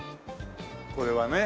これはね。